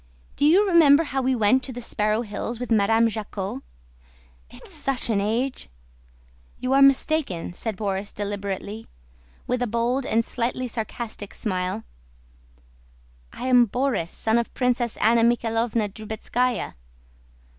Do you remember how we went to the Sparrow Hills with Madame Jacquot?... It's such an age..." "You are mistaken," said Borís deliberately, with a bold and slightly sarcastic smile. "I am Borís, son of Princess Anna Mikháylovna Drubetskáya.